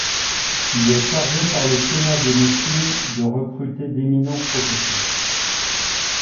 Il est chargé par le sénat de Messine de recruter d'éminents professeurs.